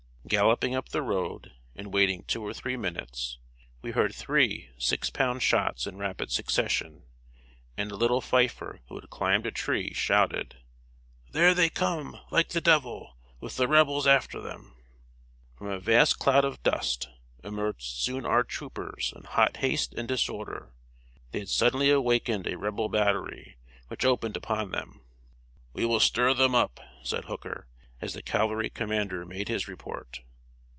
Galloping up the road, and waiting two or three minutes, we heard three six pound shots in rapid succession, and a little fifer who had climbed a tree, shouted: "There they come, like the devil, with the Rebels after them!" From a vast cloud of dust, emerged soon our troopers in hot haste and disorder. They had suddenly awakened a Rebel battery, which opened upon them. "We will stir them up," said Hooker, as the cavalry commander made his report.